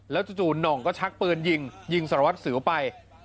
แล้วจู่หน่องก็ชักปืนยิงยิงสรวจสิวไป